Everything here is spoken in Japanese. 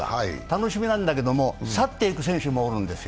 楽しみなんだけど、去って行く選手もおるんですよ。